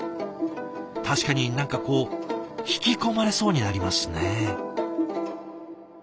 確かに何かこう引き込まれそうになりますね。